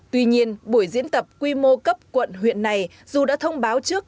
tuy nhiên buổi diễn tập quy mô cấp quận huyện này dù đã thông báo trước